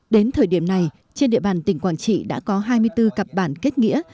đến thời điểm này trên địa bàn tỉnh quảng trị đã có hai mươi bốn cặp bản kết nghĩa